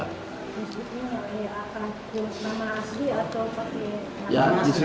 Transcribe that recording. maksudnya apa nama asli atau